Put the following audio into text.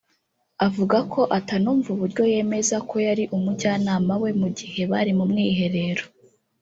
avuga ko atanumva uburyo yemeza ko yari umujyanama we mu gihe bari mu mwiherero